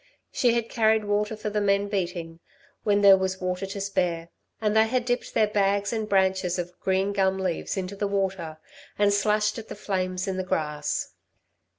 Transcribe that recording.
She had carried water for the men beating, when there was water to spare, and they had dipped their bags and branches of green gum leaves into the water and slashed at the flames in the grass.